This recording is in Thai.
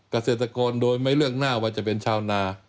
เกษตรกรโดยไม่เลือกหน้าว่าจะเป็นชาวนา